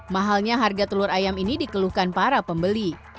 mahalnya harga telur ayam ini dikeluhkan para pembeli